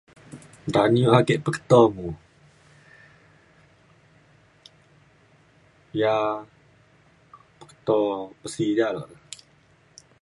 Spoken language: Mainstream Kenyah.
Taun iu ake peketo mu, ia peketo pesi ja lukte.